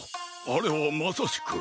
あれはまさしく。